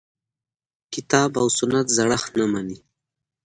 کتاب او سنت زړښت نه مني.